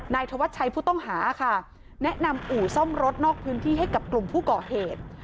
ธวัชชัยผู้ต้องหาค่ะแนะนำอู่ซ่อมรถนอกพื้นที่ให้กับกลุ่มผู้ก่อเหตุ